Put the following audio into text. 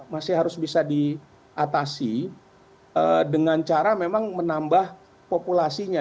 masih harus bisa diatasi dengan cara memang menambah populasinya